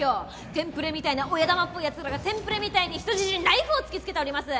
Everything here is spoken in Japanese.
テンプレみたいな親玉っぽい奴らがテンプレみたいに人質にナイフを突きつけております！